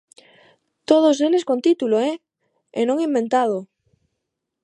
Todos eles con título, ¡eh!, e non inventado.